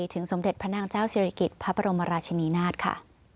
สมเด็จพระนางเจ้าศิริกิจพระบรมราชนีนาฏค่ะ